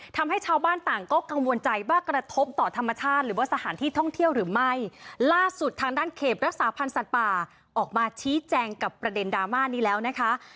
ทำให้ชาวบ้านต่างก็กังวลใจว่ากระทบต่อธรรมชาติหรือว่าสถานที่ท่องเที่ยวหรือไม่ล่าสุดทางด้านเขตรักษาพันธ์สัตว์ป่าออกมาชี้แจงกับประเด็นดราม่านี้แล้วนะคะ